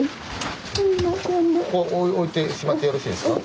ここ置いてしまってよろしいですか？